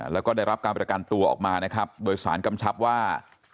แล้วก็ได้รับการประกันตัวออกมานะครับโดยสารกำชับว่า